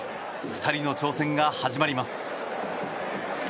２人の挑戦が始まります。